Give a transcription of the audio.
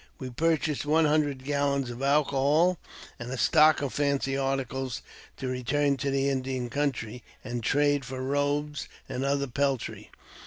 We purchased one hundred gallons of alcohol, and a stock of fancy articles, to return to the Indian country, and trade for robes and other peltry.